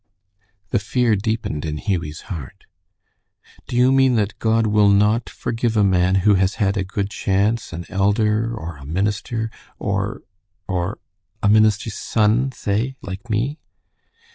The fear deepened in Hughie's heart. "Do you mean that God will not forgive a man who has had a good chance, an elder, or a minister, or or a minister's son, say, like me?"